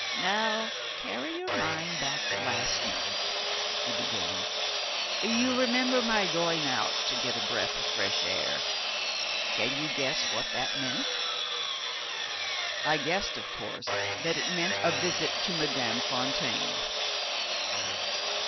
"Now carry your mind back to last night," he began. "You remember my going out to get a breath of fresh air. Can you guess what that meant?" I guessed of course that it meant a visit to Madame Fontaine.